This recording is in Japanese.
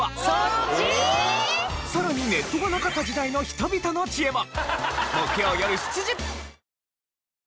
さらにネットがなかった時代の人々の知恵も。